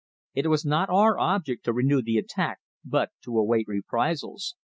It was not our object to renew the attack, but to await reprisals.